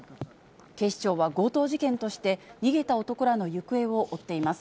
警視庁は強盗事件として、逃げた男らの行方を追っています。